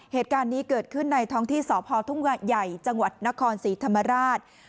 เหตุการณ์นี้เกิดขึ้นในท้องที่สพทุ่งใหญ่จังหวัดนครศรีธรรมราช